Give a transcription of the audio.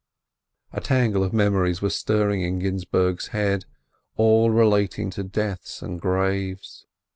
A tangle of memories was stirring in Ginzburg's head, all relating to deaths and graves.